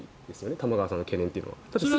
玉川さんの懸念というのは。